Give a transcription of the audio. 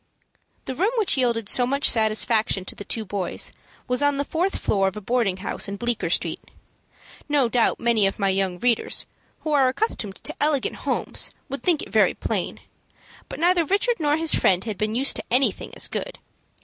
The room which yielded so much satisfaction to the two boys was on the fourth floor of a boarding house in Bleecker Street. No doubt many of my young readers, who are accustomed to elegant homes, would think it very plain; but neither Richard nor his friend had been used to anything as good.